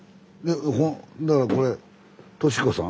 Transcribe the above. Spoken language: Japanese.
だからこれ「としこ」さん？